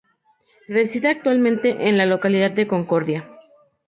Reside actualmente en la localidad de Concordia.